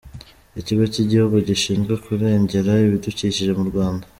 ikigo cy’igihugu gishinzwe kurengera ibidukikije mu Rwanda